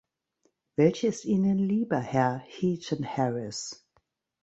Welche ist Ihnen lieber, Herr Heaton-Harris?